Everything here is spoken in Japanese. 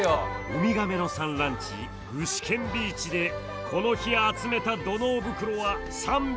ウミガメの産卵地具志堅ビーチでこの日集めた土のう袋は３７５袋！